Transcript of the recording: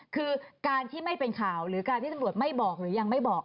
คือการที่ไม่เป็นข่าวหรือการที่ตำรวจไม่บอกหรือยังไม่บอก